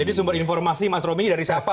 jadi sumber informasi mas romi ini dari siapa